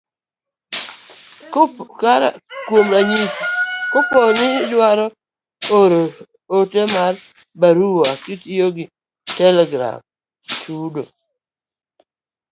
Kuom ranyisi, kapo ni idwaro oro ote mar barua kitiyo gi telegram, chudo